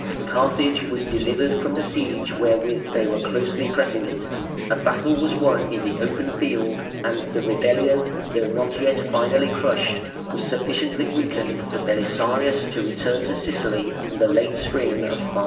Carthage was delivered from the siege wherewith they were closely pressing it, a battle was won in the open field, and the rebellion though not yet finally crushed was sufficiently weakened for Belisarius to return to Sicily in the late spring of 536.